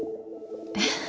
えっ？